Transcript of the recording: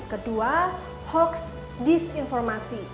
kedua hoax disinformasi